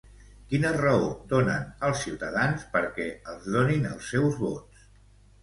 Quina raó donen als ciutadans perquè els donin els seus vots?